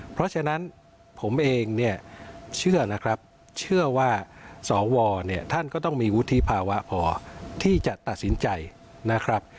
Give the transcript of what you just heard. เพราะฉะนั้นผมเองเชื่อว่าสวท่านก็ต้องมีวุฒิภาวะพอที่จะตัดสินใจนะครับ